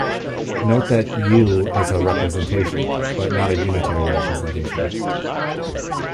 Note that "u" is a representation, but not a unitary representation.